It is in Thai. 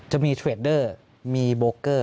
จะมีทเรดเดอร์มีโบคร